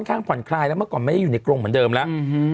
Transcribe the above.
ข้างผ่อนคลายแล้วเมื่อก่อนไม่ได้อยู่ในกรงเหมือนเดิมแล้ว